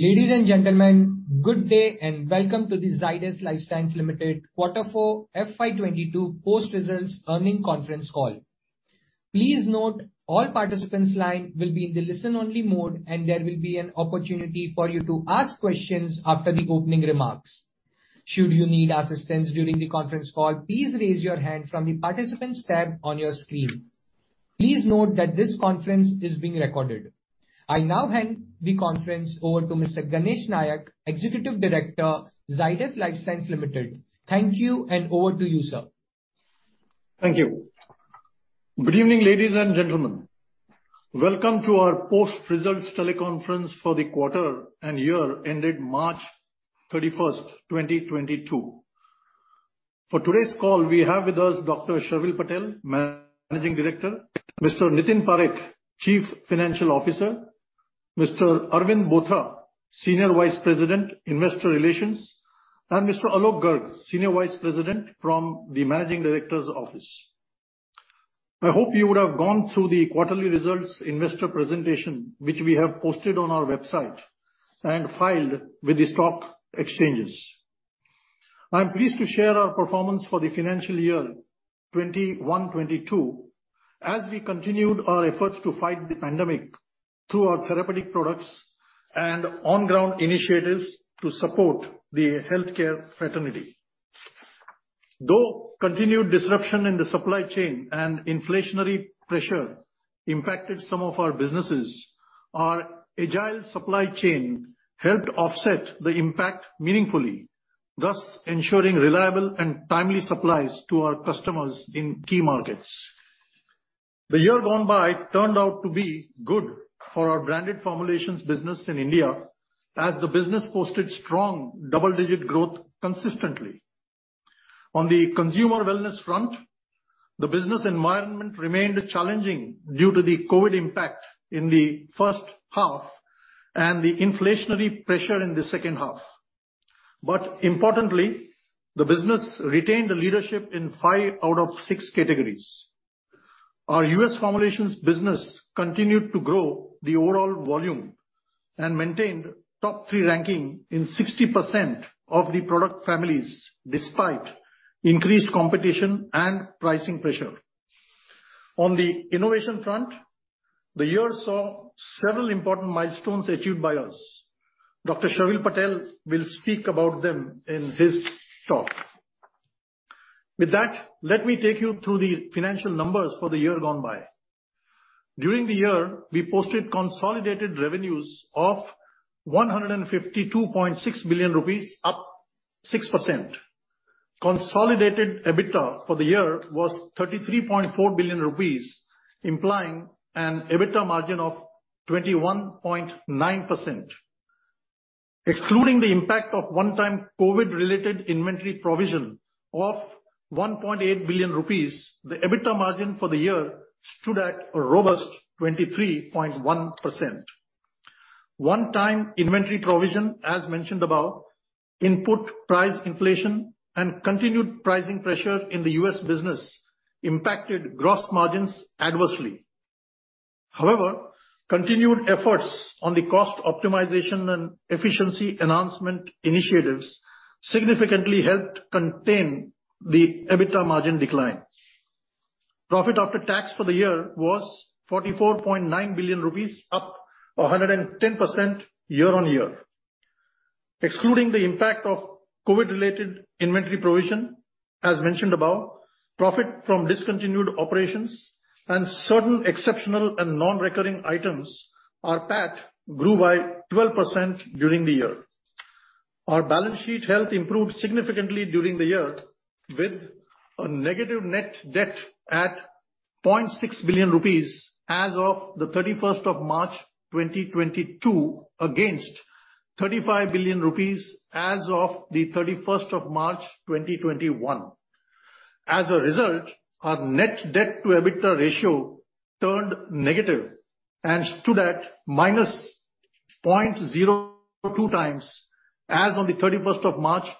Ladies and gentlemen, good day and welcome to the Zydus Lifesciences Limited Q4 FY 2022 post-results earnings conference call. Please note all participants' lines will be in the listen-only mode, and there will be an opportunity for you to ask questions after the opening remarks. Should you need assistance during the conference call, please raise your hand from the Participants tab on your screen. Please note that this conference is being recorded. I now hand the conference over to Mr. Ganesh Nayak, Executive Director, Zydus Lifesciences Limited. Thank you, and over to you, sir. Thank you. Good evening, ladies and gentlemen. Welcome to our post-results teleconference for the quarter and year ended March 31st, 2022. For today's call, we have with us Dr. Sharvil Patel, Managing Director, Mr. Nitin Parekh, Chief Financial Officer, Mr. Arvind Bothra, Senior Vice President, Investor Relations, and Mr. Alok Garg, Senior Vice President from the Managing Director's Office. I hope you would have gone through the quarterly results investor presentation, which we have posted on our website and filed with the stock exchanges. I'm pleased to share our performance for the financial year 2021-2022 as we continued our efforts to fight the pandemic through our therapeutic products and on-ground initiatives to support the healthcare fraternity. Though continued disruption in the supply chain and inflationary pressure impacted some of our businesses, our agile supply chain helped offset the impact meaningfully, thus ensuring reliable and timely supplies to our customers in key markets. The year gone by turned out to be good for our branded formulations business in India as the business posted strong double-digit growth consistently. On the consumer wellness front, the business environment remained challenging due to the COVID impact in the first half and the inflationary pressure in the second half. Importantly, the business retained the leadership in five out of six categories. Our U.S. formulations business continued to grow the overall volume and maintained top three ranking in 60% of the product families despite increased competition and pricing pressure. On the innovation front, the year saw several important milestones achieved by us. Dr. Sharvil Patel will speak about them in his talk. With that, let me take you through the financial numbers for the year gone by. During the year, we posted consolidated revenues of 152.6 billion rupees, up 6%. Consolidated EBITDA for the year was 33.4 billion rupees, implying an EBITDA margin of 21.9%. Excluding the impact of one-time COVID-related inventory provision of 1.8 billion rupees, the EBITDA margin for the year stood at a robust 23.1%. One-time inventory provision, as mentioned above, input price inflation and continued pricing pressure in the US business impacted gross margins adversely. However, continued efforts on the cost optimization and efficiency enhancement initiatives significantly helped contain the EBITDA margin decline. Profit after tax for the year was 44.9 billion rupees, up 110% year-on-year. Excluding the impact of COVID-related inventory provision, as mentioned above, profit from discontinued operations and certain exceptional and non-recurring items, our PAT grew by 12% during the year. Our balance sheet health improved significantly during the year with a negative net debt at 0.6 billion rupees as of March 31st, 2022, against 35 billion rupees as of March 31st, 2021. As a result, our net debt-to-EBITDA ratio turned negative and stood at -0.02 times as on March 31st,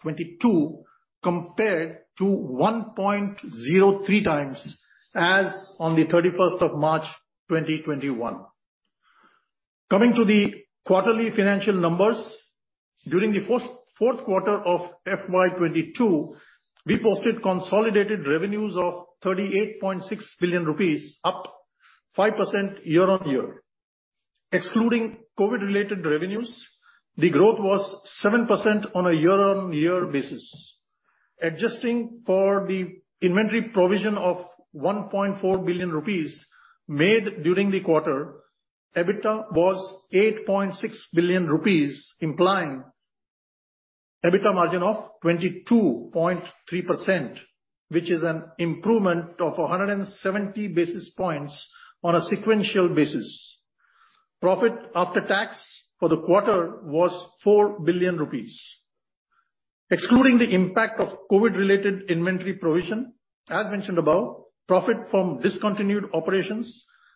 2022, compared to 1.03 times as on March 31st, 2021. Coming to the quarterly financial numbers. During Q4 of FY 2022, we posted consolidated revenues of 38.6 billion rupees, up 5% year-on-year. Excluding COVID-related revenues, the growth was 7% on a year-on-year basis. Adjusting for the inventory provision of 1.4 billion rupees made during the quarter, EBITDA was 8.6 billion rupees, implying EBITDA margin of 22.3%, which is an improvement of 170 basis points on a sequential basis. Profit after tax for the quarter was 4 billion rupees. Excluding the impact of COVID-related inventory provision, as mentioned above, profit from discontinued operations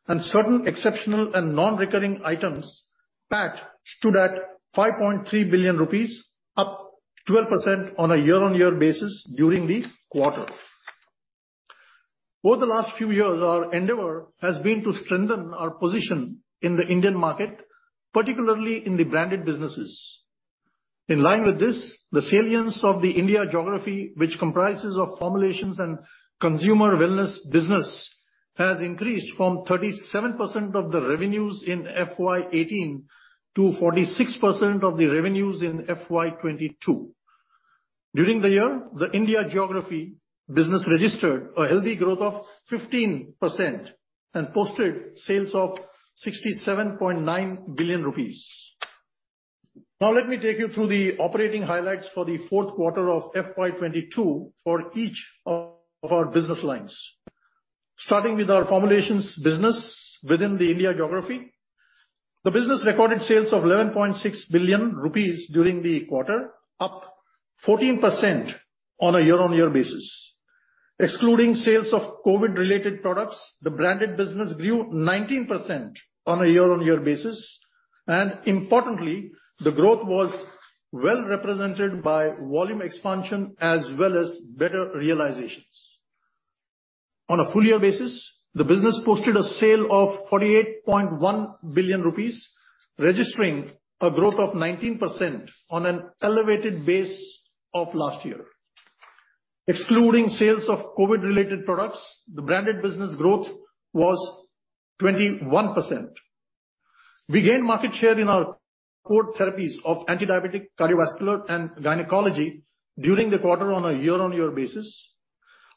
and certain exceptional and non-recurring items, PAT stood at 5.3 billion rupees, up 12% on a year-on-year basis during the quarter. Over the last few years, our endeavor has been to strengthen our position in the Indian market, particularly in the branded businesses. In line with this, the salience of the India geography, which comprises of formulations and consumer wellness business, has increased from 37% of the revenues in FY 2018 to 46% of the revenues in FY 2022. During the year, the India geography business registered a healthy growth of 15% and posted sales of 67.9 billion rupees. Now let me take you through the operating highlights for Q4 of FY 2022 for each of our business lines. Starting with our formulations business within the India geography. The business recorded sales of 11.6 billion rupees during the quarter, up 14% on a year-on-year basis. Excluding sales of COVID-related products, the branded business grew 19% on a year-on-year basis. Importantly, the growth was well represented by volume expansion as well as better realizations. On a full year basis, the business posted a sale of 48.1 billion rupees, registering a growth of 19% on an elevated base of last year. Excluding sales of COVID-related products, the branded business growth was 21%. We gained market share in our core therapies of antidiabetic, cardiovascular, and gynecology during the quarter on a year-on-year basis.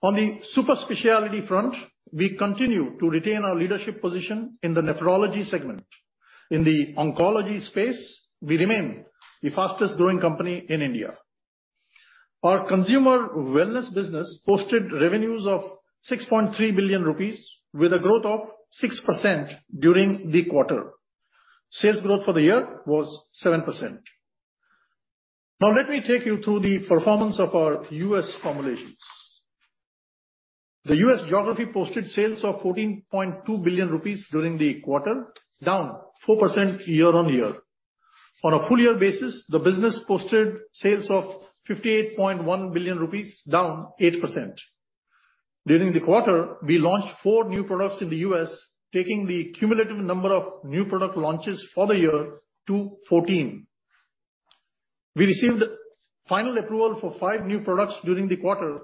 On the super specialty front, we continue to retain our leadership position in the nephrology segment. In the oncology space, we remain the fastest-growing company in India. Our consumer wellness business posted revenues of 6.3 billion rupees with a growth of 6% during the quarter. Sales growth for the year was 7%. Now let me take you through the performance of our U.S. formulations. The U.S. geography posted sales of 14.2 billion rupees during the quarter, down 4% year-on-year. On a full year basis, the business posted sales of 58.1 billion rupees, down 8%. During the quarter, we launched four new products in the U.S., taking the cumulative number of new product launches for the year to 14. We received final approval for five new products during the quarter,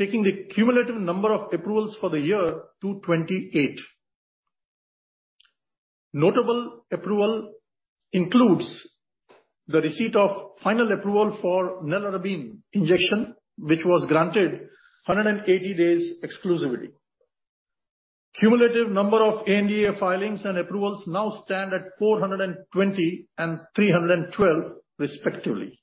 taking the cumulative number of approvals for the year to 28. Notable approval includes the receipt of final approval for nelarabine injection, which was granted 180 days exclusivity. Cumulative number of NDA filings and approvals now stand at 420 and 312, respectively.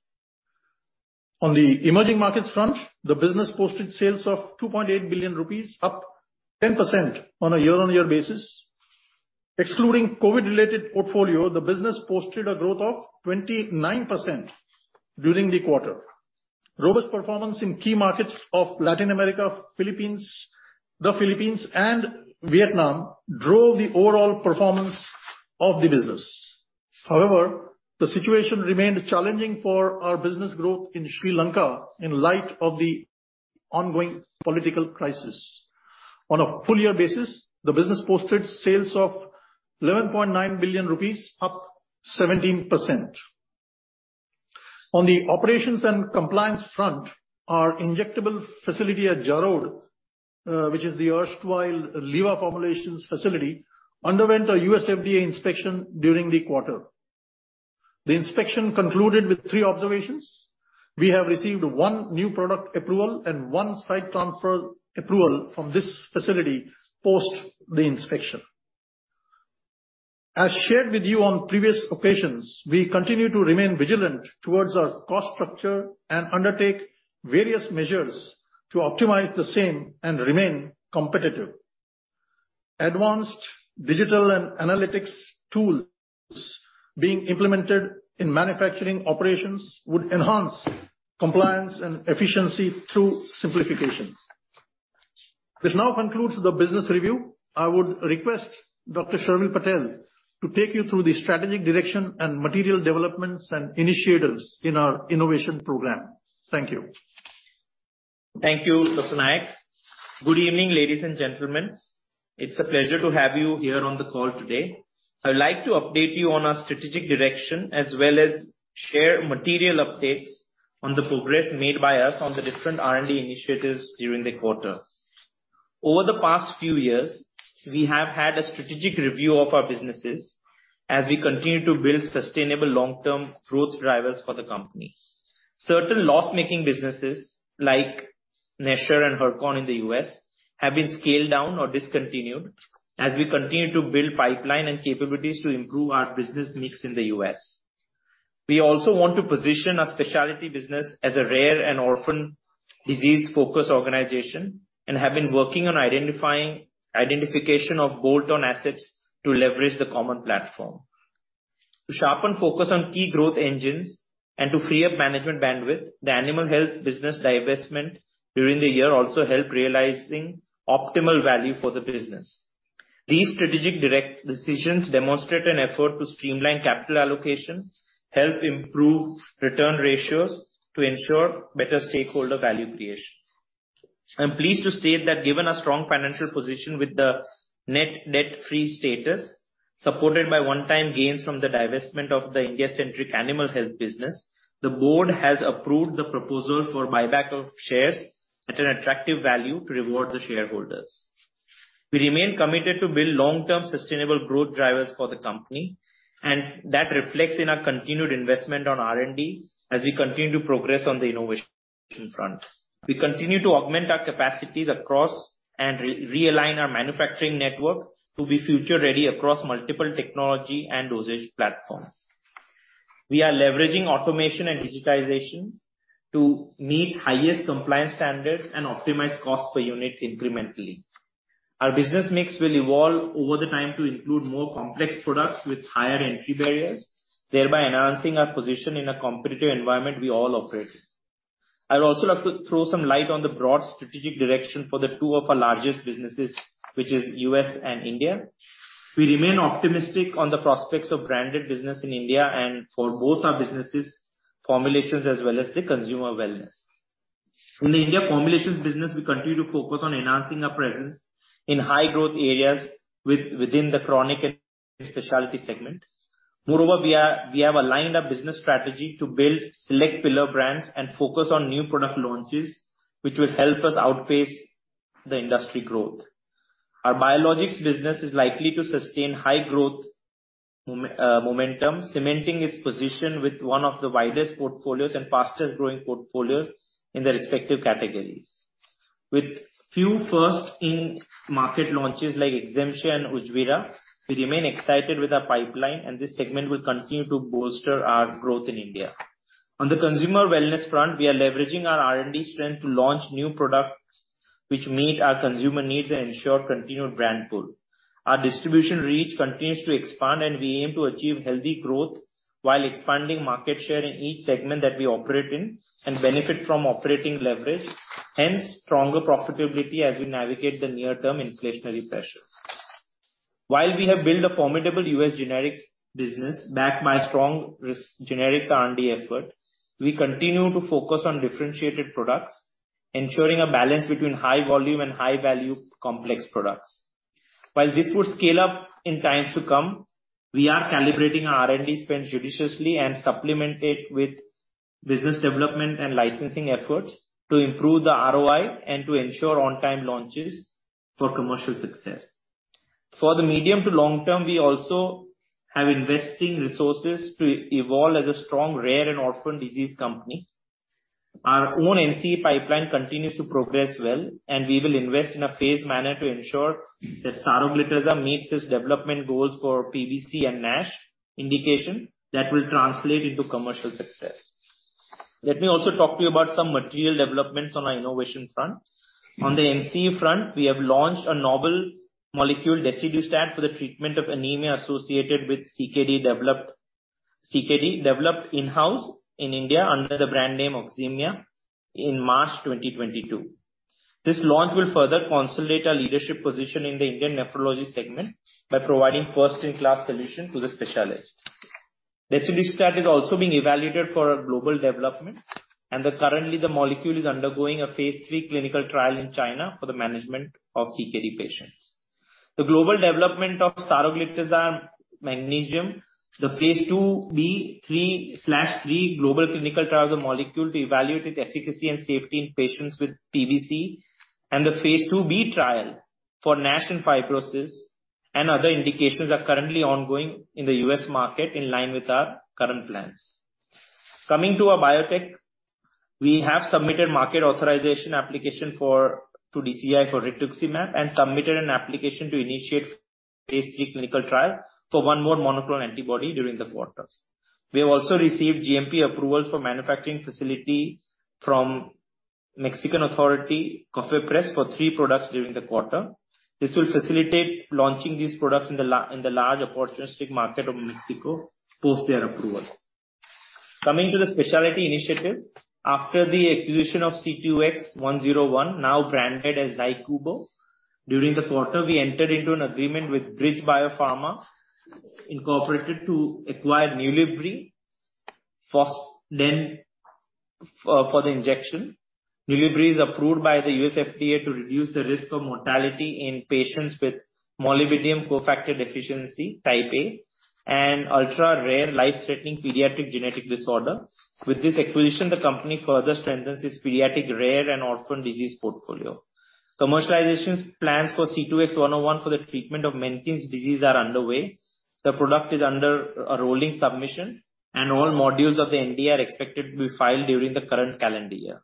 On the emerging markets front, the business posted sales of 2.8 billion rupees, up 10% on a year-on-year basis. Excluding COVID-related portfolio, the business posted a growth of 29% during the quarter. Robust performance in key markets of Latin America, the Philippines, and Vietnam drove the overall performance of the business. However, the situation remained challenging for our business growth in Sri Lanka in light of the ongoing political crisis. On a full year basis, the business posted sales of 11.9 billion rupees, up 17%. On the operations and compliance front, our injectable facility at Jarod, which is the erstwhile Liva Formulations facility, underwent a U.S. FDA inspection during the quarter. The inspection concluded with 3 observations. We have received one new product approval and one site transfer approval from this facility post the inspection. As shared with you on previous occasions, we continue to remain vigilant towards our cost structure and undertake various measures to optimize the same and remain competitive. Advanced digital and analytics tools being implemented in manufacturing operations would enhance compliance and efficiency through simplifications. This now concludes the business review. I would request Dr. Sharvil Patel to take you through the strategic direction and material developments and initiatives in our innovation program. Thank you. Thank you, Dr. Nayak. Good evening, ladies and gentlemen. It's a pleasure to have you here on the call today. I'd like to update you on our strategic direction as well as share material updates on the progress made by us on the different R&D initiatives during the quarter. Over the past few years, we have had a strategic review of our businesses as we continue to build sustainable long-term growth drivers for the company. Certain loss-making businesses like Nesher and Hercon in the U.S. have been scaled down or discontinued as we continue to build pipeline and capabilities to improve our business mix in the U.S. We also want to position our specialty business as a rare and orphan disease-focused organization and have been working on identification of bolt-on assets to leverage the common platform. To sharpen focus on key growth engines and to free up management bandwidth, the animal health business divestment during the year also helped realizing optimal value for the business. These strategic direct decisions demonstrate an effort to streamline capital allocation, help improve return ratios to ensure better stakeholder value creation. I'm pleased to state that given a strong financial position with the net debt-free status, supported by one-time gains from the divestment of the India-centric animal health business, the board has approved the proposal for buyback of shares at an attractive value to reward the shareholders. We remain committed to build long-term sustainable growth drivers for the company, and that reflects in our continued investment on R&D as we continue to progress on the innovation front. We continue to augment our capacities across and realign our manufacturing network to be future-ready across multiple technology and dosage platforms. We are leveraging automation and digitization to meet highest compliance standards and optimize cost per unit incrementally. Our business mix will evolve over the time to include more complex products with higher entry barriers, thereby enhancing our position in a competitive environment we all operate in. I'd also like to throw some light on the broad strategic direction for the two of our largest businesses, which is US and India. We remain optimistic on the prospects of branded business in India and for both our businesses, formulations, as well as the consumer wellness. In the India formulations business, we continue to focus on enhancing our presence in high growth areas within the chronic and specialty segment. Moreover, we have aligned our business strategy to build select pillar brands and focus on new product launches, which will help us outpace the industry growth. Our biologics business is likely to sustain high growth momentum, cementing its position with one of the widest portfolios and fastest-growing portfolio in the respective categories. With few first-in-market launches like Exemptia and Ujvira, we remain excited with our pipeline, and this segment will continue to bolster our growth in India. On the consumer wellness front, we are leveraging our R&D strength to launch new products which meet our consumer needs and ensure continued brand pull. Our distribution reach continues to expand, and we aim to achieve healthy growth while expanding market share in each segment that we operate in and benefit from operating leverage, hence stronger profitability as we navigate the near-term inflationary pressures. While we have built a formidable U.S. generics business backed by strong generics R&D effort, we continue to focus on differentiated products, ensuring a balance between high volume and high value complex products. While this would scale up in times to come, we are calibrating our R&D spend judiciously and supplement it with business development and licensing efforts to improve the ROI and to ensure on-time launches for commercial success. For the medium to long-term, we also have investing resources to evolve as a strong, rare and orphan disease company. Our own NCE pipeline continues to progress well, and we will invest in a phased manner to ensure that Saroglitazar meets its development goals for PBC and NASH indication that will translate into commercial success. Let me also talk to you about some material developments on our innovation front. On the NCE front, we have launched a novel molecule, Desidustat, for the treatment of anemia associated with CKD developed in-house in India under the brand name of Oxemia in March 2022. This launch will further consolidate our leadership position in the Indian nephrology segment by providing first-in-class solution to the specialists. Desidustat is also being evaluated for a global development, and currently the molecule is undergoing a phase III clinical trial in China for the management of CKD patients. The global development of Saroglitazar Magnesium, the phase IIb/III global clinical trial of the molecule to evaluate its efficacy and safety in patients with PBC and the phase IIb trial for NASH and fibrosis and other indications are currently ongoing in the U.S. market in line with our current plans. Coming to our biotech, we have submitted market authorization application to DCGI for Rituximab and submitted an application to initiate phase III clinical trial for one more monoclonal antibody during the quarter. We have also received GMP approvals for manufacturing facility from Mexican authority, COFEPRIS, for three products during the quarter. This will facilitate launching these products in the large opportunistic market of Mexico post their approval. Coming to the specialty initiatives, after the acquisition of CUTX-101, now branded as Zycubo, during the quarter, we entered into an agreement with BridgeBio Pharma, Inc. to acquire Nulibry, fosdenopterin, for injection. Nulibry is approved by the U.S. FDA to reduce the risk of mortality in patients with molybdenum cofactor deficiency type A, an ultra-rare life-threatening pediatric genetic disorder. With this acquisition, the company further strengthens its pediatric rare and orphan disease portfolio. Commercialization plans for CUTX-101 for the treatment of Menkes disease are underway. The product is under a rolling submission, and all modules of the NDA are expected to be filed during the current calendar year.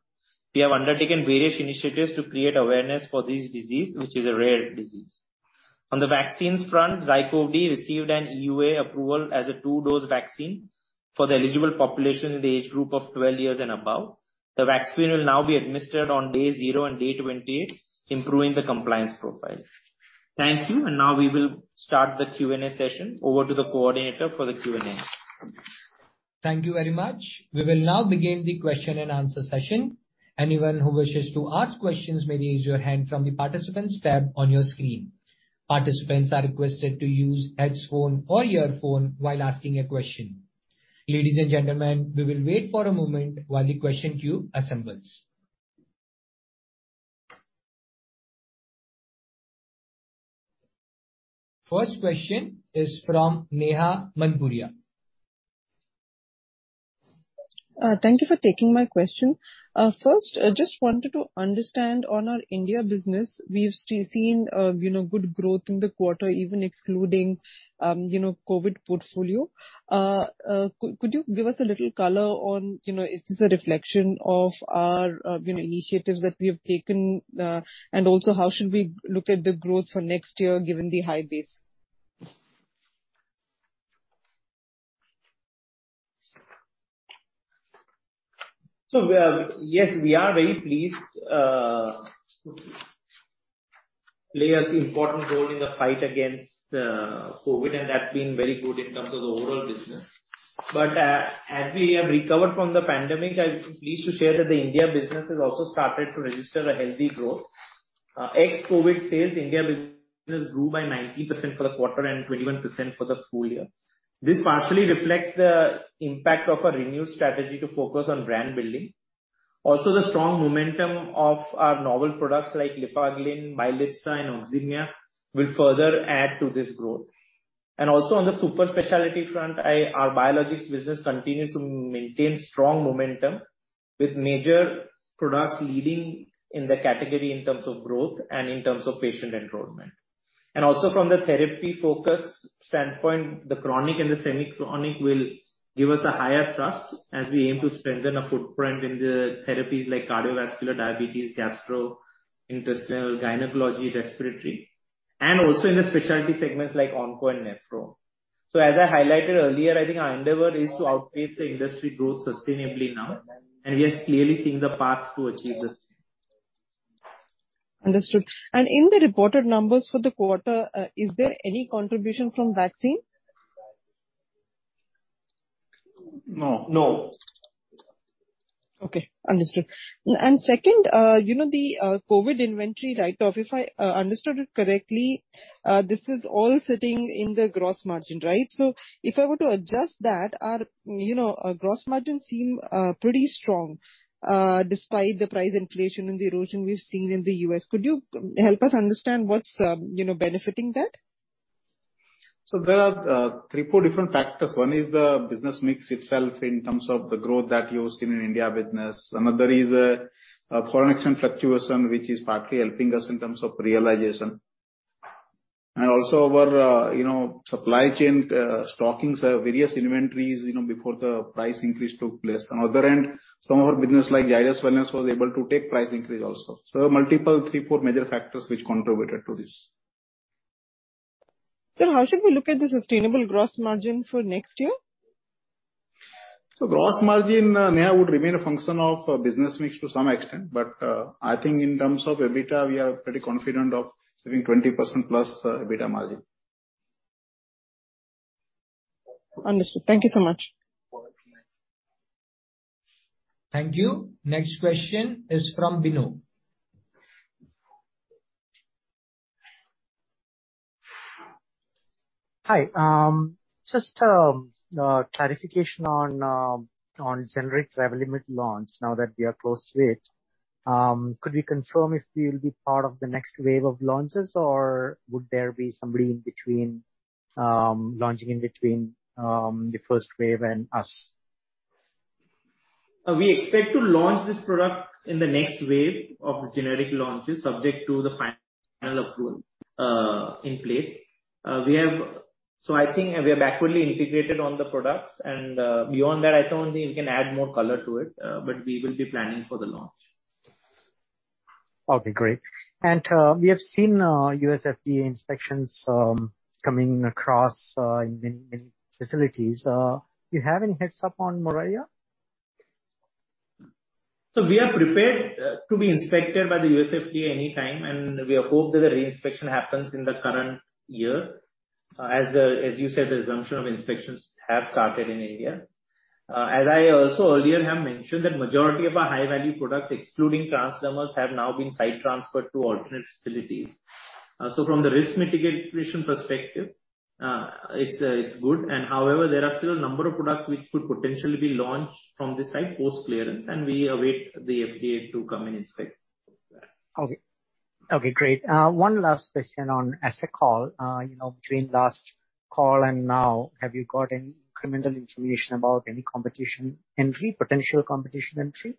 We have undertaken various initiatives to create awareness for this disease, which is a rare disease. On the vaccines front, ZyCoV-D received an EUA approval as a two-dose vaccine for the eligible population, the age group of 12 years and above. The vaccine will now be administered on day zero and day 28, improving the compliance profile. Thank you. Now we will start the Q&A session. Over to the coordinator for the Q&A. Thank you very much. We will now begin the question-and-answer session. Anyone who wishes to ask questions may raise your hand from the Participants tab on your screen. Participants are requested to use headphone or earphone while asking a question. Ladies and gentlemen, we will wait for a moment while the question queue assembles. First question is from Neha Manpuria. Thank you for taking my question. First, I just wanted to understand on our India business, we've seen good growth in the quarter, even excluding COVID portfolio. Could you give us a little color on, is this a reflection of our initiatives that we have taken? How should we look at the growth for next year given the high base? Yes. We are very pleased to play an important role in the fight against COVID, and that's been very good in terms of the overall business. As we have recovered from the pandemic, I'm pleased to share that the India business has also started to register a healthy growth. Ex-COVID sales India business grew by 90% for the quarter and 21% for the full year. This partially reflects the impact of a renewed strategy to focus on brand building. Also, the strong momentum of our novel products like Lipaglyn, Bilypsa, and Oxemia will further add to this growth. On the super specialty front, our biologics business continues to maintain strong momentum with major products leading in the category in terms of growth and in terms of patient enrollment. From the therapy focus standpoint, the chronic and the semi-chronic will give us a higher thrust as we aim to strengthen our footprint in the therapies like cardiovascular, diabetes, gastrointestinal, gynecology, respiratory and also in the specialty segments like onco and nephro. As I highlighted earlier, I think our endeavor is to outpace the industry growth sustainably now, and we are clearly seeing the path to achieve this. Understood. In the reported numbers for the quarter, is there any contribution from vaccine? No. No. Okay, understood. Second, the COVID inventory write-off, if I understood it correctly, this is all sitting in the gross margin, right? If I were to adjust that, our gross margin seem pretty strong despite the price inflation and the erosion we've seen in the U.S. Could you help us understand what's benefiting that? There are three, four different factors. One is the business mix itself in terms of the growth that you have seen in India business. Another is foreign exchange fluctuation, which is partly helping us in terms of realization. Also our supply chain, stockings, various inventories, before the price increase took place. On other end, some of our business like Zydus Wellness was able to take price increase also. Multiple three, four major factors which contributed to this. How should we look at the sustainable gross margin for next year? Gross margin, Neha, would remain a function of business mix to some extent, but I think in terms of EBITDA, we are pretty confident of saving 20% plus EBITDA margin. Understood. Thank you so much. Thank you. Next question is from. [inaudible] Hi. Just clarification on generic Revlimid launch now that we are close to it. Could you confirm if we will be part of the next wave of launches or would there be somebody in between launching in between the first wave and us? We expect to launch this product in the next wave of the generic launches, subject to the final approval in place. I think we are backwardly integrated on the products and, beyond that, I don't think we can add more color to it, but we will be planning for the launch. Okay, great. We have seen U.S. FDA inspections coming across in many, many facilities. Do you have any heads up on Moraiya? We are prepared to be inspected by the U.S. FDA anytime, and we hope that the re-inspection happens in the current year. As you said, the resumption of inspections have started in India. As I also earlier have mentioned, that majority of our high value products, excluding transdermal, have now been site transferred to alternate facilities. From the risk mitigation perspective, it's good. However, there are still a number of products which could potentially be launched from this site post-clearance, and we await the FDA to come and inspect that. Okay, great. One last question on Asacol. Between last call and now, have you got any incremental information about any potential competition entry?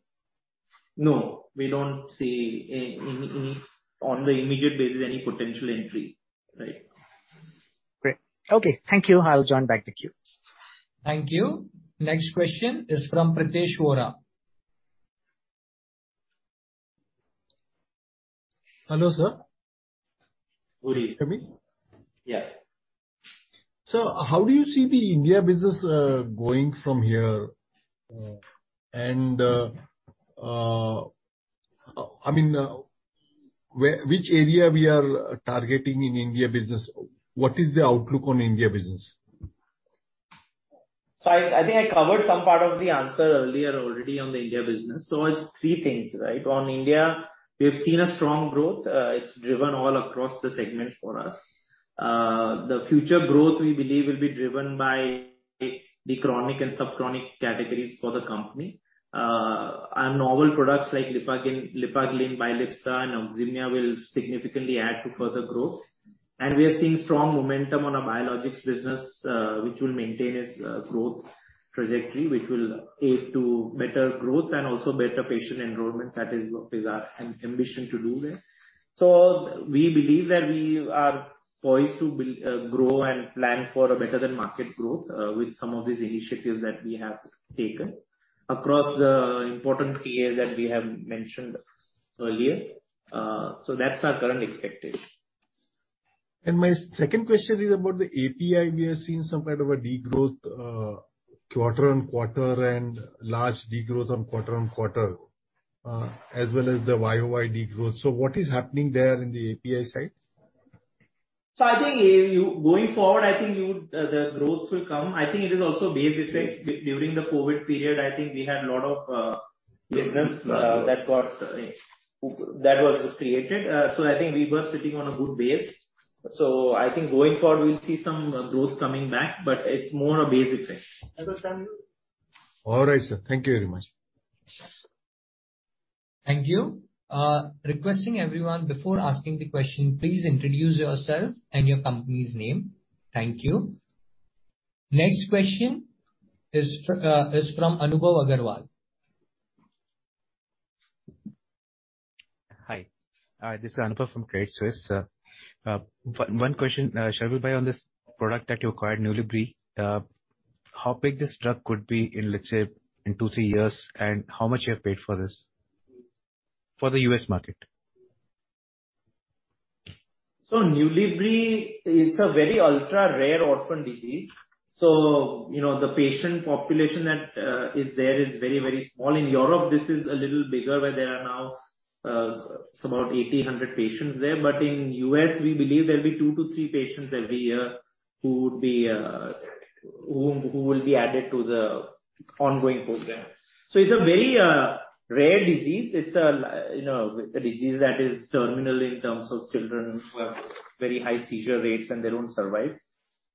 No. We don't see any on the immediate basis, any potential entry. Great. Okay. Thank you. I will join back the queue. Thank you. Next question is from Pritesh Vora. Hello, sir. Good evening. Can you hear me? Yes. How do you see the India business going from here? Which area we are targeting in India business? What is the outlook on India business? I think I covered some part of the answer earlier already on the India business. It's three things. On India, we have seen a strong growth. It's driven all across the segments for us. The future growth we believe will be driven by the chronic and subchronic categories for the company. Novel products like Lipaglyn, Bilypsa, and Oxemia will significantly add to further growth. We are seeing strong momentum on our biologics business, which will maintain its growth trajectory, which will aid to better growth and also better patient enrollment. That is our ambition to do there. We believe that we are poised to grow and plan for a better than market growth, with some of these initiatives that we have taken across the important TAs that we have mentioned earlier. That's our current expectation. My second question is about the API. We are seeing some degrowth quarter-over-quarter and large degrowth quarter-over-quarter, as well as the YOY degrowth. What is happening there in the API side? Going forward, the growth will come. I think it is also base effects. During the COVID period, I think we had a lot of business that was created. I think we were sitting on a good base. I think going forward we'll see some growth coming back, but it's more a base effect. All right, sir. Thank you very much. Thank you. Requesting everyone, before asking the question, please introduce yourself and your company's name. Thank you. Next question is from Anubhav Agarwal. Hi. This is Anubhav from Credit Suisse. One question, Sharvil on this product that you acquired, Nulibry, how big this drug could be in two to three years, and how much you have paid for this, for the U.S. market? Nulibry is a very ultra rare orphan disease. The patient population that is there is very, very small. In Europe this is a little bigger, where there are now some odd 1,800 patients there. In US, we believe there'll be two to three patients every year who will be added to the ongoing program. It's a very rare disease. It's a disease that is terminal in terms of children who have very high seizure rates, and they don't survive.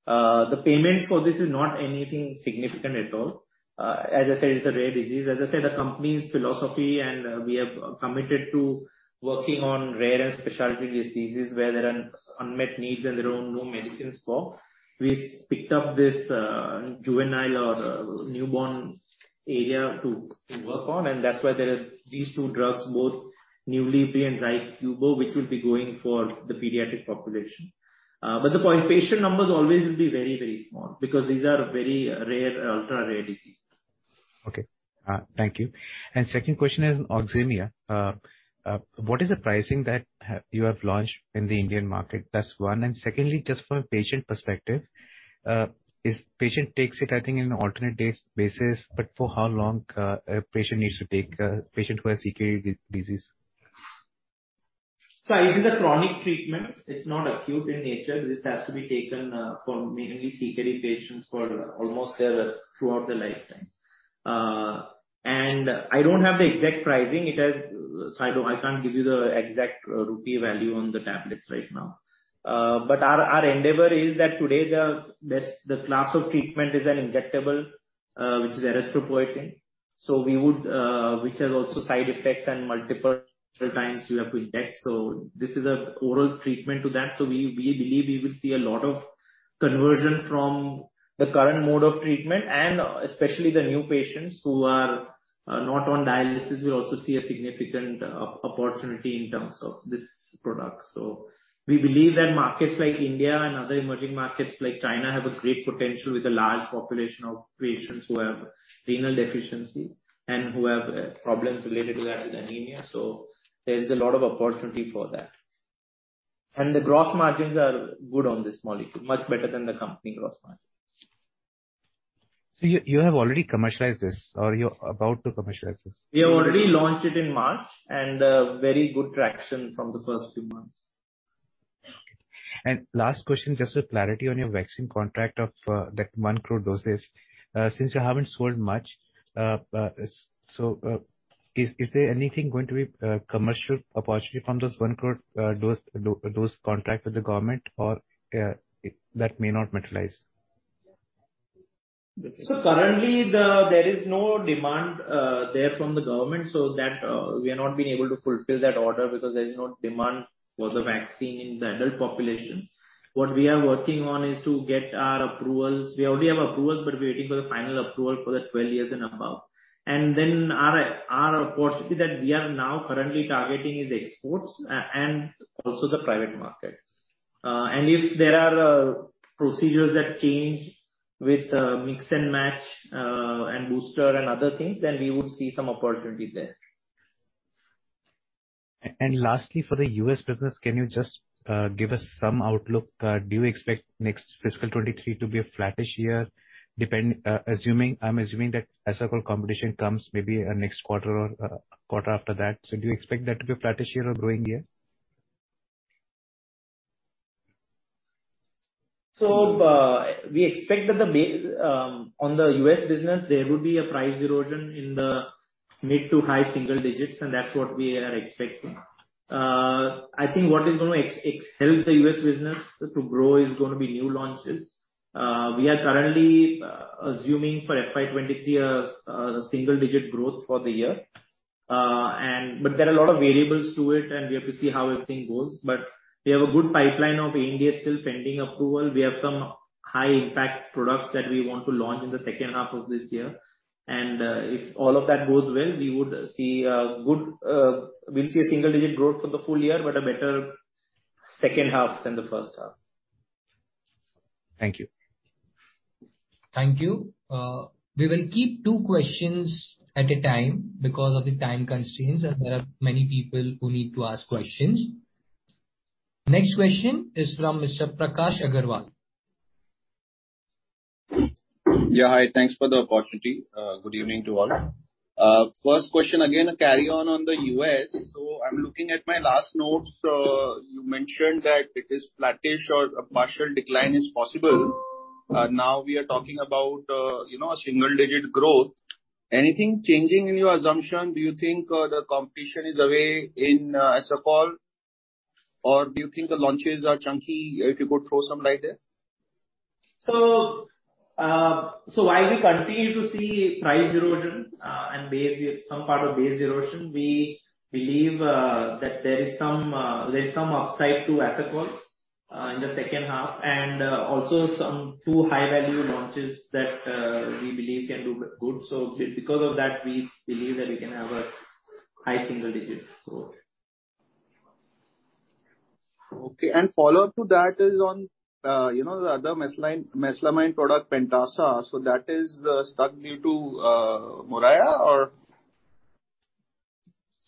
The payment for this is not anything significant at all. As I said, it's a rare disease. As I said, the company's philosophy and we have committed to working on rare and specialty diseases where there are unmet needs and there are no medicines for. We've picked up this juvenile or newborn area to work on, and that's why there are these two drugs, both Nulibry and Zycubo, which will be going for the pediatric population. But the patient numbers always will be very, very small because these are very ultra rare diseases. Okay. Thank you. Second question is on Oxemia. What is the pricing that you have launched in the Indian market? That's one. Secondly, just from a patient perspective, if patient takes it in an alternate days basis, but for how long, a patient needs to take, patient who has CKD disease? It is a chronic treatment. It's not acute in nature. This has to be taken for mainly CKD patients for almost throughout their lifetime. I don't have the exact pricing. I can't give you the exact rupee value on the tablets right now. Our endeavor is that today the class of treatment is an injectable, which is erythropoietin, which has also side effects and multiple times you have to inject. This is an oral treatment to that. We believe we will see a lot of conversion from the current mode of treatment, and especially the new patients who are not on dialysis will also see a significant opportunity in terms of this product. We believe that markets like India and other emerging markets like China have a great potential with a large population of patients who have renal deficiency and who have problems related to that, with anemia. There is a lot of opportunity for that. The gross margins are good on this molecule, much better than the company gross margin. You have already commercialized this or you're about to commercialize this? We have already launched it in March and very good traction from the first few months. Last question, just for clarity on your vaccine contract of that 1 crore doses. Since you haven't sold much, so is there anything going to be commercial opportunity from those 1 crore doses contract with the government or that may not materialize? Currently, there is no demand there from the government so that we have not been able to fulfill that order because there is no demand for the vaccine in the adult population. What we are working on is to get our approvals. We already have approvals, but we are waiting for the final approval for the 12 years and above. Then our opportunity that we are now currently targeting is exports and also the private market. If there are procedures that change with mix and match and booster and other things, then we would see some opportunity there. Lastly, for the U.S. business, can you just give us some outlook? Do you expect next fiscal 2023 to be a flattish year, I'm assuming that SRO competition comes maybe next quarter or quarter after that? Do you expect that to be a flattish year or growing year? We expect that on the US business, there will be a price erosion in the mid- to high-single digits, and that's what we are expecting. I think what is going to help the US business to grow is going to be new launches. We are currently assuming for FY 2023 a single-digit growth for the year but there are a lot of variables to it, and we have to see how everything goes. We have a good pipeline of NDAs still pending approval. We have some high impact products that we want to launch in the second half of this year. If all of that goes well, we'll see single-digit growth for the full year, but a better second half than the first half. Thank you. Thank you. We will keep two questions at a time because of the time constraints, and there are many people who need to ask questions. Next question is from Mr. Prakash Agarwal. Yes. Hi. Thanks for the opportunity. Good evening to all. First question again, carry on on the U.S. I'm looking at my last notes. You mentioned that it is flattish or a partial decline is possible. Now we are talking about single-digit growth. Anything changing in your assumption? Do you think the competition is away in Asacol or do you think the launches are chunky? If you could throw some light there. While we continue to see price erosion and some part of base erosion, we believe that there is some upside to Asacol in the second half and also two high value launches that we believe can do good. Because of that, we believe that we can have a high single-digit growth. Okay. Follow-up to that is on the other mesalamine product, Pentasa. That is stuck due to Moraiya or...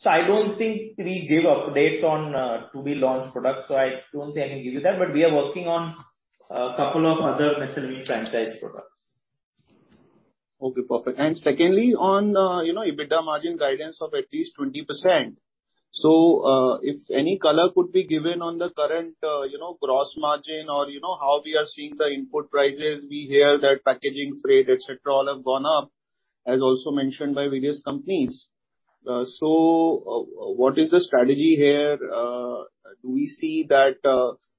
I don't think we give updates on, to be launched products. I don't think I can give you that. We are working on a couple of other mesalamine franchise products. Okay, perfect. Secondly, on EBITDA margin guidance of at least 20%. If any color could be given on the current gross margin or how we are seeing the input prices. We hear that packaging freight, etc, all have gone up, as also mentioned by various companies. What is the strategy here? Do we see that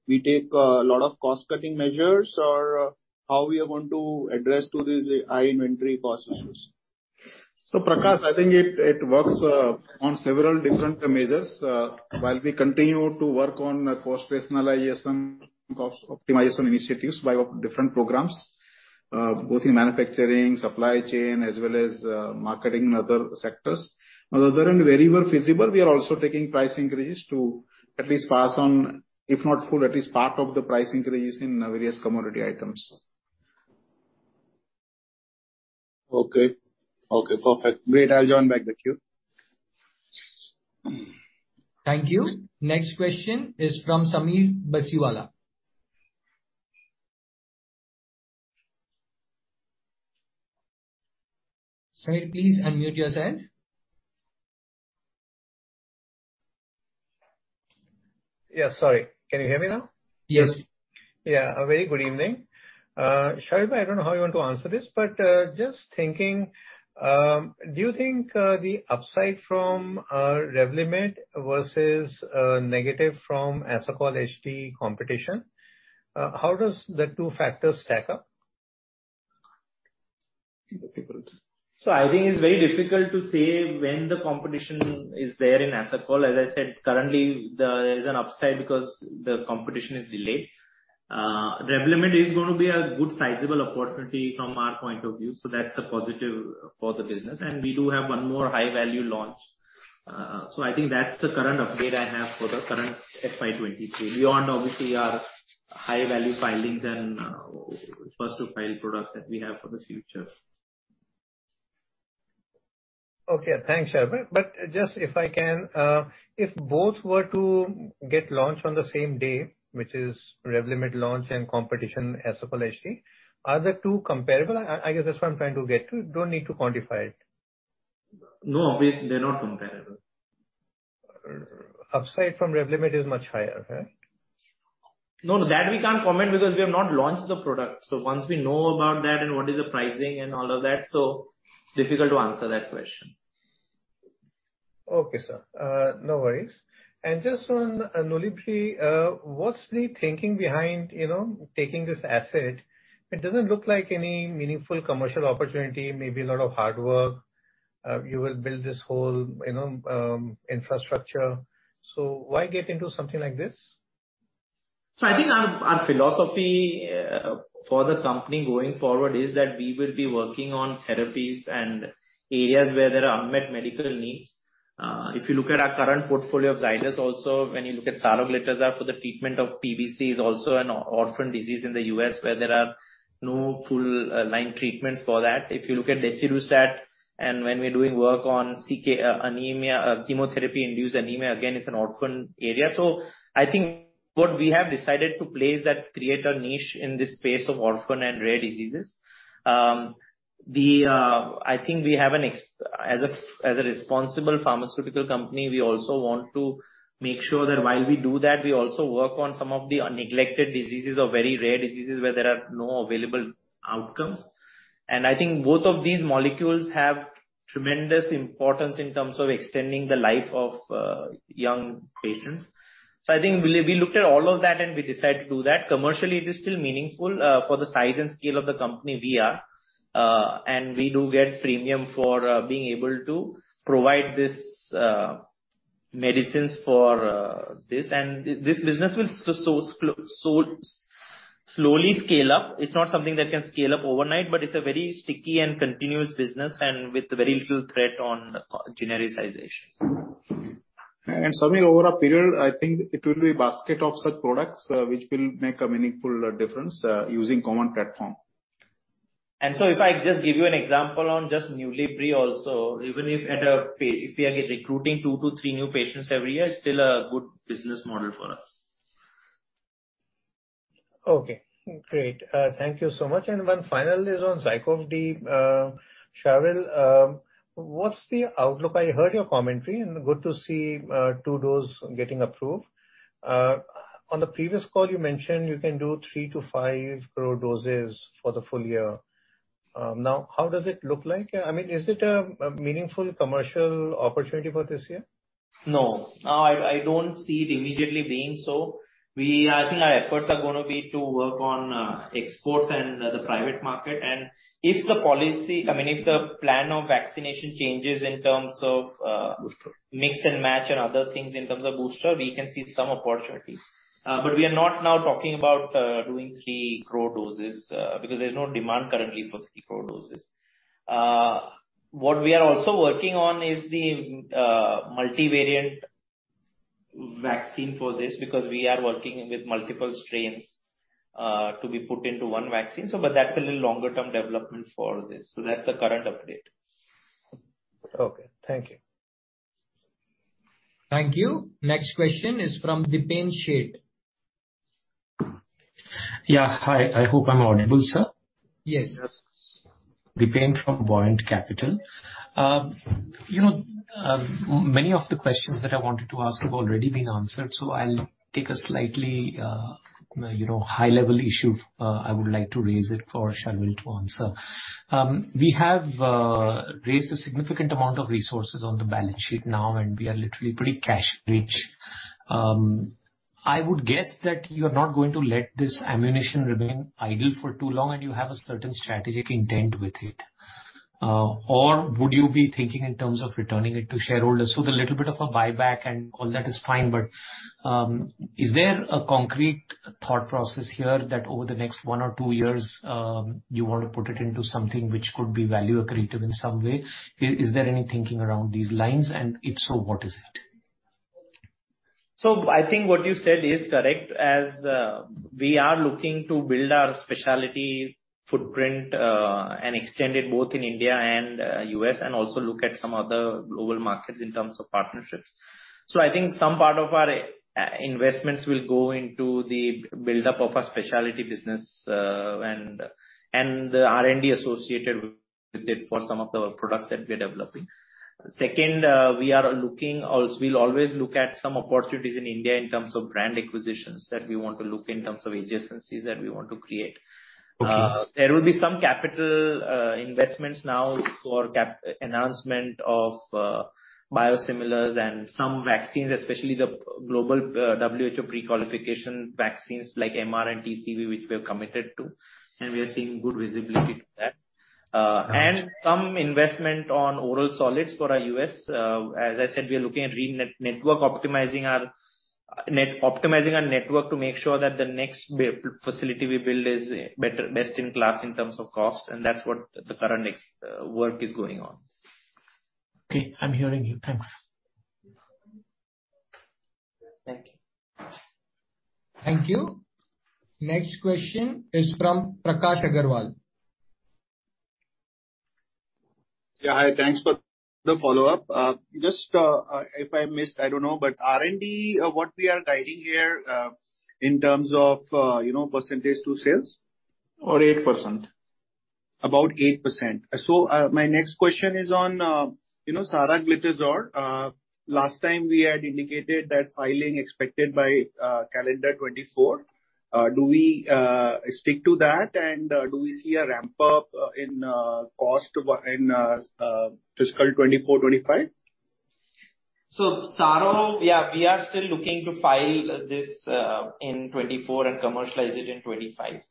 we take a lot of cost-cutting measures or how we are going to address to this high inventory cost issues? Prakash, I think it works on several different measures. While we continue to work on cost rationalization, cost optimization initiatives by different programs, both in manufacturing, supply chain as well as marketing and other sectors. On the other end, wherever feasible, we are also taking price increases to at least pass on, if not full, at least part of the price increase in various commodity items. Okay, perfect. Great. I'll join back the queue. Thank you. Next question is from Sameer Baisiwala. Sameer, please unmute yourself. Yes, sorry. Can you hear me now? Yes. Yes. A very good evening. Sharvil, I don't know how you want to answer this, but just thinking, do you think the upside from Revlimid versus negative from Asacol HD competition, how does the two factors stack up? I think it's very difficult to say when the competition is there in Asacol. As I said, currently there is an upside because the competition is delayed. Revlimid is going to be a good sizable opportunity from our point of view. That's a positive for the business. We do have one more high value launch. I think that's the current update I have for the current FY 2023. Beyond obviously our high value filings and first to file products that we have for the future. Okay. Thanks, Sharvil. Just if I can, if both were to get launched on the same day, which is Revlimid launch and competition Asacol HD, are the two comparable? I guess that's what I'm trying to get to. Don't need to quantify it. No, obviously they're not comparable. Upside from Revlimid is much higher, right? No, that we can't comment because we have not launched the product. Once we know about that and what is the pricing and all of that, so it's difficult to answer that question. Okay, sir. No worries. Just on Nulibry, what's the thinking behind taking this asset? It doesn't look like any meaningful commercial opportunity, maybe a lot of hard work. You will build this whole infrastructure. Why get into something like this? I think our philosophy for the company going forward is that we will be working on therapies and areas where there are unmet medical needs. If you look at our current portfolio of Zydus also, when you look at Saroglitazar for the treatment of PBC is also an orphan disease in the U.S. where there are no frontline treatments for that. If you look at Desidustat and when we're doing work on CKD anemia, chemotherapy-induced anemia, again, it's an orphan area. I think what we have decided is to create a niche in this space of orphan and rare diseases. As a responsible pharmaceutical company, we also want to make sure that while we do that, we also work on some of the neglected diseases or very rare diseases where there are no available outcomes. I think both of these molecules have tremendous importance in terms of extending the life of young patients. I think we looked at all of that, and we decided to do that. Commercially, it is still meaningful for the size and scale of the company we are. We do get premium for being able to provide this medicines for this. This business will slowly scale up. It's not something that can scale up overnight, but it's a very sticky and continuous business, and with very little threat on genericization. Sami, over a period, I think it will be basket of such products, which will make a meaningful difference using common platform. If I just give you an example on just Nulibry also, even if we are recruiting two to three new patients every year, it's still a good business model for us. Okay, great. Thank you so much. One final is on ZyCoV-D. Sharvil, what's the outlook? I heard your commentary, and good to see two-dose getting approved. On the previous call you mentioned you can do 3-5 crore doses for the full year. Now how does it look like? Is it a meaningful commercial opportunity for this year? No, I don't see it immediately being so. I think our efforts are going to be to work on exports and the private market. If the plan of vaccination changes in terms of... Booster. Mix and match and other things in terms of booster, we can see some opportunities. But we are not now talking about doing 3 crore doses, because there's no demand currently for 3 crore doses. What we are also working on is the multivariant vaccine for this, because we are working with multiple strains to be put into one vaccine. That's a little longer term development for this. That's the current update. Okay. Thank you. Thank you. Next question is from Dipen Sheth. Yes. Hi, I hope I'm audible, sir. Yes. Dipen Sheth from Buoyant Capital. Many of the questions that I wanted to ask have already been answered, so I'll take a slightly high-level issue, I would like to raise it for Sharvil to answer. We have raised a significant amount of resources on the balance sheet now, and we are literally pretty cash rich. I would guess that you're not going to let this ammunition remain idle for too long and you have a certain strategic intent with it. Or would you be thinking in terms of returning it to shareholders? The little bit of a buyback and all that is fine, but, is there a concrete thought process here that over the next one or two years, you want to put it into something which could be value accretive in some way? Is there any thinking around these lines, and if so, what is it? I think what you said is correct, as we are looking to build our specialty footprint, and extend it both in India and U.S., and also look at some other global markets in terms of partnerships. I think some part of our investments will go into the buildup of a specialty business, and the R&D associated with it for some of the products that we are developing. Second, we'll always look at some opportunities in India in terms of brand acquisitions that we want to look in terms of adjacencies that we want to create. Okay. There will be some capital investments now for enhancement of biosimilars and some vaccines, especially the global WHO pre-qualification vaccines like MR and TCV, which we are committed to, and we are seeing good visibility to that. Some investment on oral solids for our U.S. As I said, we are looking at optimizing our network to make sure that the next facility we build is better, best-in-class in terms of cost, and that's what the current work is going on. Okay, I'm hearing you. Thanks. Thank you. Thank you. Next question is from Prakash Agarwal. Hi. Thanks for the follow-up. Just if I missed, I don't know, but R&D, what we are guiding here in terms of percentage to sales. About 8%. About 8%. My next question is on Saroglitazar. Last time we had indicated that filing expected by calendar 2024. Do we stick to that, and do we see a ramp up in cost in fiscal 2024-2025? Saroglitazar, we are still looking to file this in 2024 and commercialize it in 2025.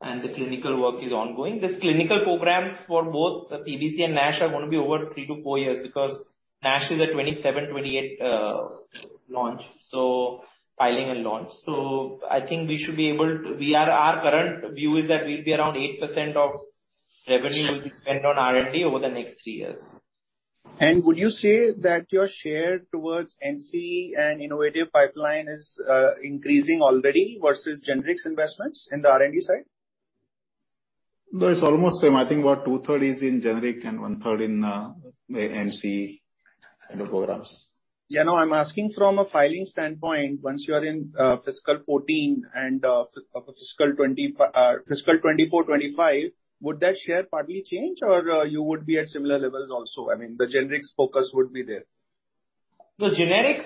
The clinical work is ongoing. These clinical programs for both PBC and NASH are going to be over three to four years because NASH is a 27-28 filing and launch. I think our current view is that we'll be around 8% of revenue will be spent on R&D over the next three years. Would you say that your share towards NCE and innovative pipeline is increasing already versus generics investments in the R&D side? No, it's almost same. I think about 2/3 is in generic and 1/3 in NCE. The programs. Yes, I'm asking from a filing standpoint, once you are in fiscal 2014 and fiscal 2024/2025, would that share partly change or you would be at similar levels also? I mean, the generics focus would be there. The generics,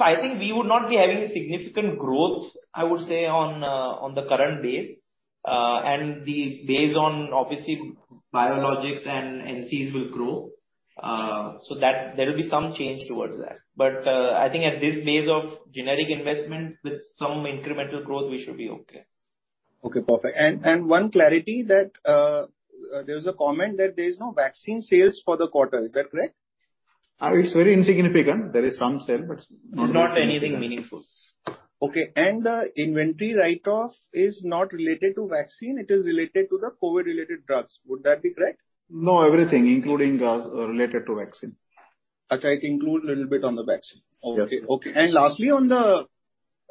I think we would not be having significant growth on the current base. The base, obviously, on biologics and NCEs will grow. There will be some change towards that. I think at this base of generic investment with some incremental growth, we should be okay. Okay, perfect. One clarity that there was a comment that there is no vaccine sales for the quarter. Is that correct? It's very insignificant. There is some sale, but it's not anything meaningful. Okay. The inventory write-off is not related to vaccine, it is related to the COVID related drugs. Would that be correct? No, everything, including drugs related to vaccine. Okay. It include little bit on the vaccine. Yes. Okay. Lastly, on the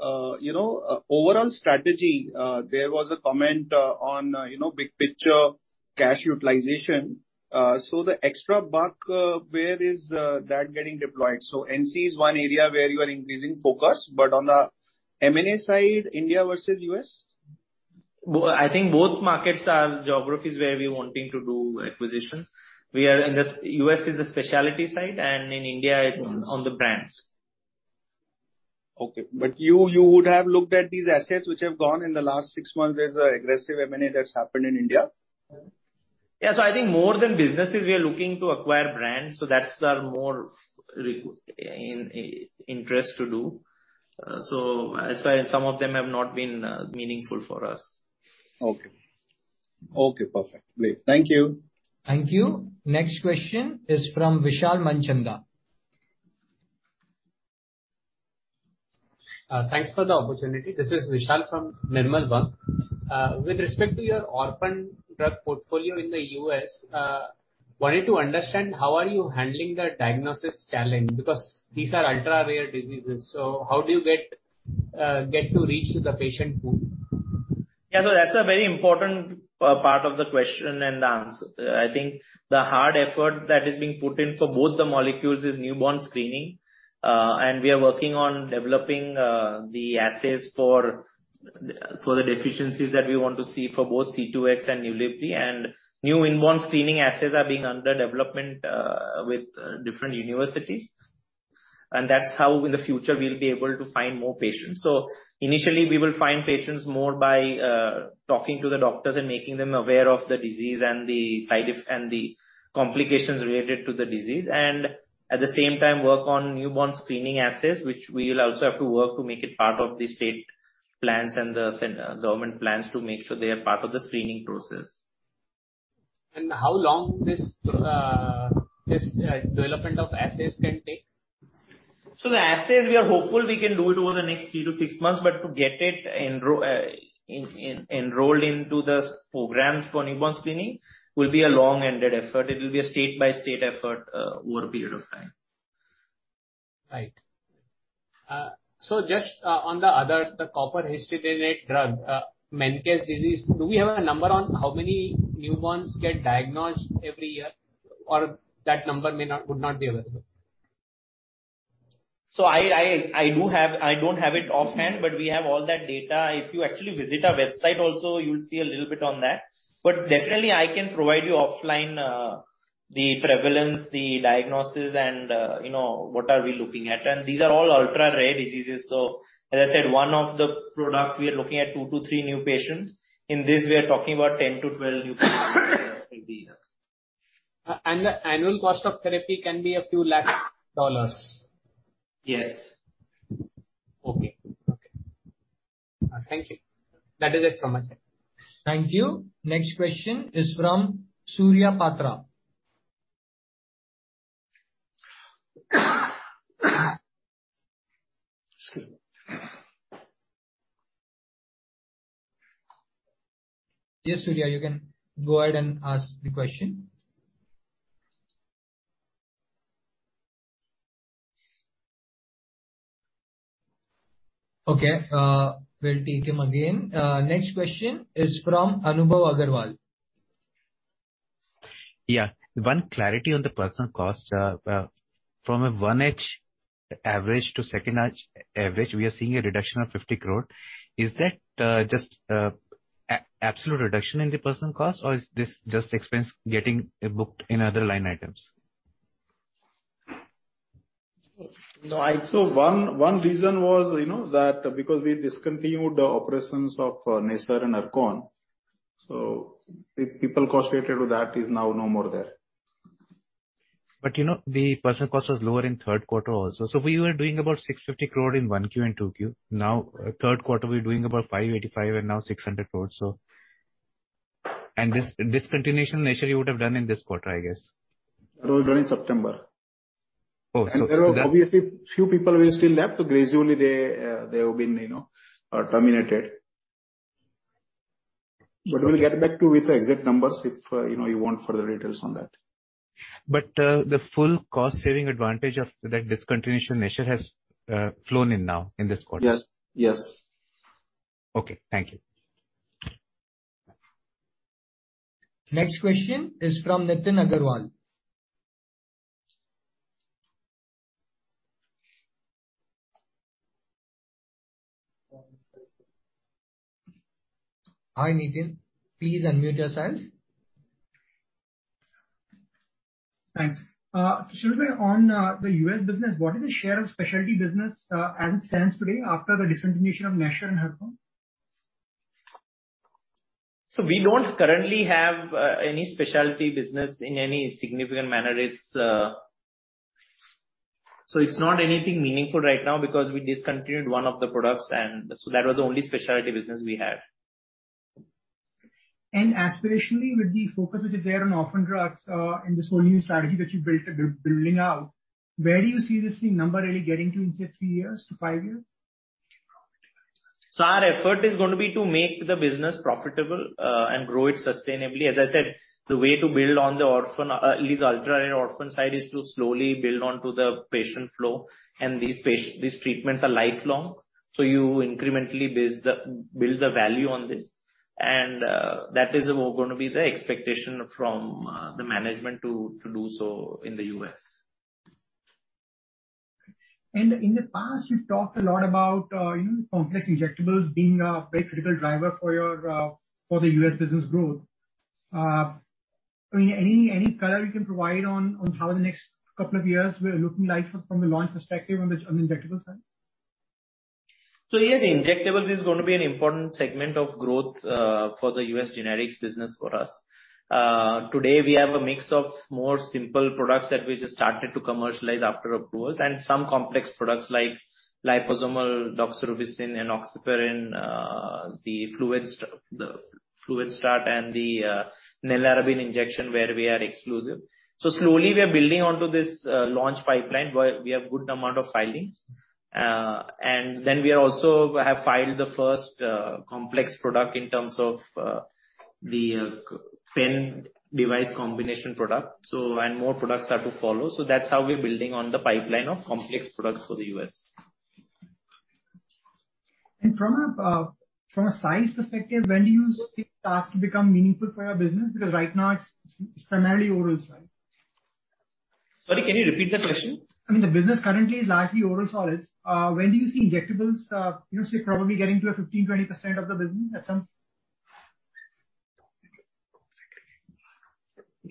overall strategy, there was a comment on big picture cash utilization. The extra buck, where is that getting deployed? NCE is one area where you are increasing focus, but on the M&A side, India versus U.S.? Well, I think both markets are geographies where we're wanting to do acquisitions. We are in the U.S., it's the specialty side and in India it's on the brands. You would have looked at these assets which have gone in the last six months. There's an aggressive M&A that's happened in India. Yes. I think more than businesses, we are looking to acquire brands, so that's our main interest to do. That's why some of them have not been meaningful for us. Okay. Perfect. Great. Thank you. Thank you. Next question is from Vishal Manchanda. Thanks for the opportunity. This is Vishal from Nirmal Bang. With respect to your orphan drug portfolio in the U.S., wanted to understand how are you handling the diagnosis challenge? Because these are ultra-rare diseases, how do you get to reach to the patient pool? Yes. That's a very important part of the question and answer. I think the hard effort that is being put in for both the molecules is newborn screening. We are working on developing the assays for the deficiencies that we want to see for both CUTX-101 and Nulibry. New newborn screening assays are being under development with different universities. That's how in the future we'll be able to find more patients. Initially we will find patients more by talking to the doctors and making them aware of the disease and the complications related to the disease. At the same time, work on newborn screening assays, which we'll also have to work to make it part of the state plans and the government plans to make sure they are part of the screening process. How long this development of assays can take? The assays, we are hopeful we can do it over the next three to six months to get it enrolled into the programs for newborn screening will be a long-winded effort. It will be a state-by-state effort over a period of time. Right. Just on the copper histidinate drug, Menkes disease, do we have a number on how many newborns get diagnosed every year, or that number would not be available? I don't have it offhand, but we have all that data. If you actually visit our website also, you'll see a little bit on that, but definitely I can provide you offline the prevalence, the diagnosis and what are we looking at. These are all ultra-rare diseases. As I said, one of the products, we are looking at two to three new patients. In this, we are talking about 10-12 new patients every year. The annual cost of therapy can be a few lakhs dollars. Yes. Okay, thank you. That is it from my side. Thank you. Next question is from Surya Patra. Excuse me. Surya, you can go ahead and ask the question. Okay. We'll take him again. Next question is from Anubhav Agarwal. One clarity on the personnel cost. From FY 2021 average to FY 2022 average, we are seeing a reduction of 50 crore. Is that just absolute reduction in the personnel cost, or is this just expense getting booked in other line items? No, one reason was that because we discontinued the operations of Nesher and Hercon, people cost related to that is now no more there. The personnel cost was lower in third quarter also. We were doing about 650 crore in Q1 and Q2. Now, Q3 we're doing about 585 crore and now 600 crore. This continuation nature you would have seen in this quarter, I guess. That was done in September. Obviously, few people were still left, so gradually they will be terminated. We'll get back to you with the exact numbers if you want further details on that. The full cost saving advantage of that discontinuation nature has flowed in now in this quarter? Yes. Okay. Thank you. Next question is from Nitin Agarwal. Hi, Nitin. Please unmute yourself. Thanks. Sharvil, on the U.S. business, what is the share of specialty business as it stands today after the discontinuation of Nesher and Hercon? We don't currently have any specialty business in any significant manner. It's not anything meaningful right now because we discontinued one of the products and so that was the only specialty business we had. Aspirationally, with the focus which is there on orphan drugs, and this whole new strategy that you're building out, where do you see this thing number really getting to in, say, three years to five years? Our effort is going to be to make the business profitable, and grow it sustainably. As I said, the way to build on the orphan and ultra-orphan side, is to slowly build onto the patient flow. These treatments are lifelong, so you incrementally build the value on this. That is going to be the expectation from the management to do so in the US. In the past you've talked a lot about complex injectables being a very critical driver for the U.S. business growth. Any color you can provide on how in the next couple of years we're looking like from the launch perspective on the injectable side? Yes, injectables is going to be an important segment of growth for the U.S. generics business for us. Today we have a mix of more simple products that we just started to commercialize after approvals and some complex products like liposomal, doxorubicin, and oxaliplatin, the first and the nelarabine injection, where we are exclusive. Slowly we are building onto this launch pipeline where we have good amount of filings. Then we have also filed the first complex product in terms of the pen device combination product, and more products are to follow. That's how we're building on the pipeline of complex products for the U.S. From a size perspective, when do you see it start to become meaningful for your business? Because right now it's primarily orals, right? Sorry, can you repeat the question? The business currently is largely oral solids. When do you see injectables, say, probably getting to a 15%-20% of the business at some?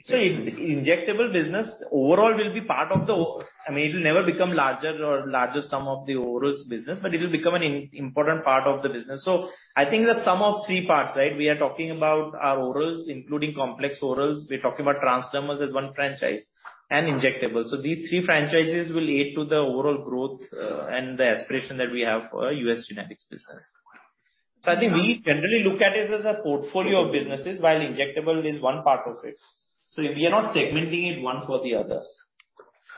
Injectable business overall will be part of the... It will never become larger than the orals business, but it'll become an important part of the business. I think the sum of three parts. We are talking about our orals, including complex orals. We're talking about transdermals as one franchise and injectables. These three franchises will add to the overall growth, and the aspiration that we have for U.S. generics business. I think we generally look at it as a portfolio of businesses, while injectable is one part of it. We are not segmenting it one from the other.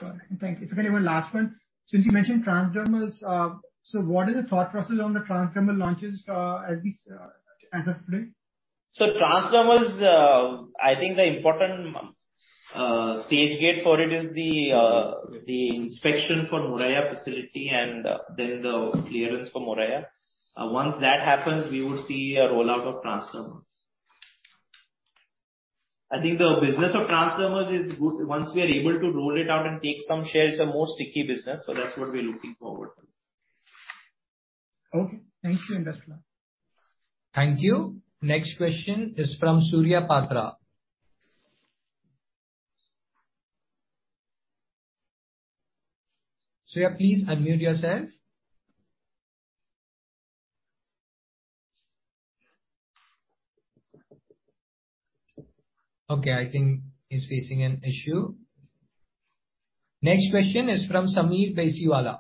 Got it. Thank you. One last one. Since you mentioned transdermals, what is the thought process on the transdermal launches, at least, as of today? Transdermals, I think the important stage gate for it is the inspection for Moraiya facility and then the clearance for Moraiya. Once that happens, we would see a rollout of transdermals. I think the business of transdermals is good once we are able to roll it out and take some shares, the more sticky business, so that's what we're looking forward to. Okay. Thank you. Thank you. Next question is from Surya Patra. Surya, please unmute yourself. Okay, I think he's facing an issue. Next question is from Sameer Baisiwala.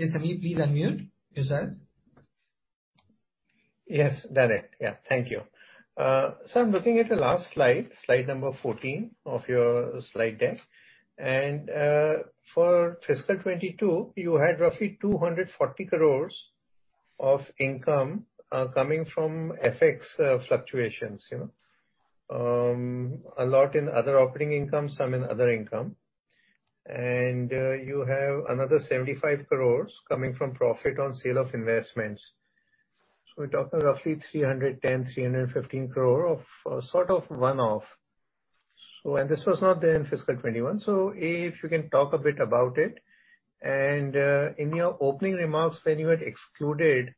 Sameer, please unmute yourself. Got it. Thank you. I'm looking at the last slide, Slide 14 of your slide deck. For fiscal 2022 you had roughly 240 crore of income coming from FX fluctuations. A lot in other operating income, some in other income. You have another 75 crore coming from profit on sale of investments. We're talking roughly 310-315 crore of one-off. This was not there in fiscal 2021. If you can talk a bit about it. In your opening remarks when you had excluded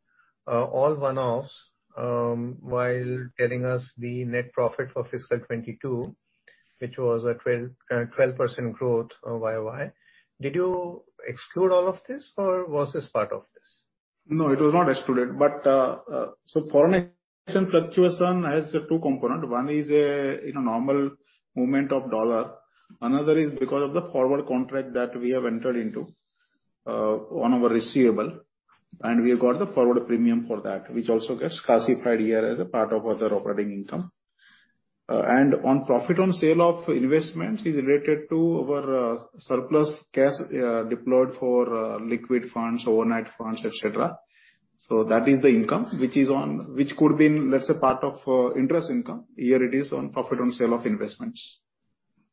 all one-offs while telling us the net profit for fiscal 2022, which was a 12% growth YoY, did you exclude all of this or was this part of this? No, it was not excluded. Foreign exchange fluctuation has two component. One is normal movement of dollar. Another is because of the forward contract that we have entered into on our receivable, and we have got the forward premium for that, which also gets classified here as a part of other operating income. Profit on sale of investments is related to our surplus cash deployed for liquid funds, overnight funds, etc. That is the income which could have been part of interest income. Here it is on profit on sale of investments.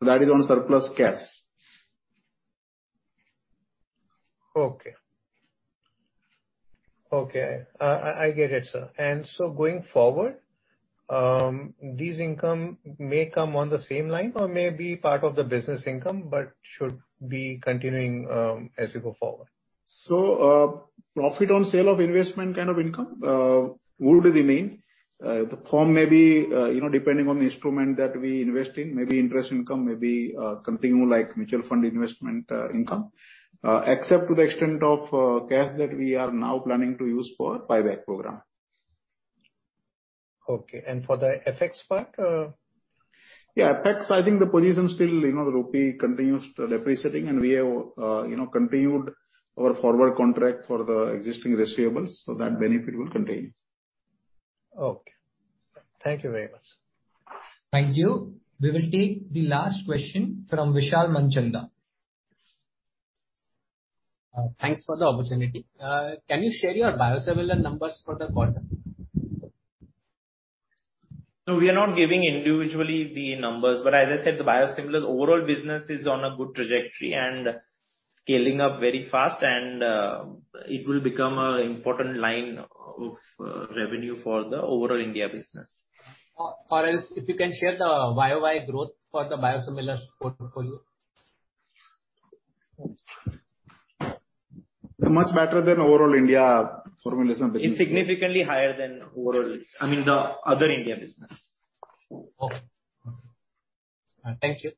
That is on surplus cash. Okay. I get it, sir. Going forward, these income may come on the same line or may be part of the business income, but should be continuing as we go forward? Profit on sale of investment kind of income would remain. The form may be depending on the instrument that we invest in, maybe interest income, maybe something like mutual fund investment income. Except to the extent of cash that we are now planning to use for buyback program. Okay. For the FX pack? Yes, FX, I think the position still the rupee continues depreciating, and we have continued our forward contract for the existing receivables, so that benefit will continue. Okay. Thank you very much. Thank you. We will take the last question from Vishal Manchanda. Thanks for the opportunity. Can you share your biosimilar numbers for the quarter? No, we are not giving individually the numbers, but as I said, the biosimilars overall business is on a good trajectory and scaling up very fast and it will become a important line of revenue for the overall India business. If you can share the YOY growth for the biosimilars for you? Much better than overall India formulation business. It's significantly higher than the other India business. Okay. Thank you.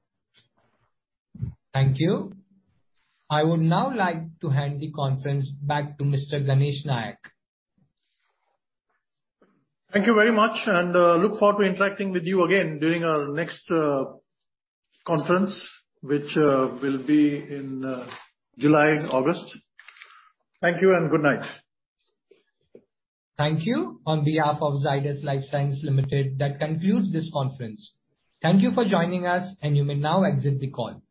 Thank you. I would now like to hand the conference back to Mr. Ganesh Nayak. Thank you very much, and look forward to interacting with you again during our next conference, which will be in July-August. Thank you and good night. Thank you. On behalf of Zydus Lifesciences Limited, that concludes this conference. Thank you for joining us, and you may now exit the call.